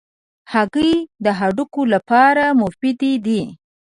هګۍ د هډوکو لپاره مفید دي.